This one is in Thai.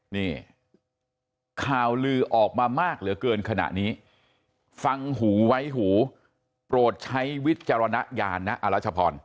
นี่ข่าวลือออกมามากเหลือเกินขณะนี้ฟังหูไว้หูโปรดใช้วิจารณญาณนะอรัชพร